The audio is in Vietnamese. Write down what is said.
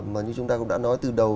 mà như chúng ta cũng đã nói từ đầu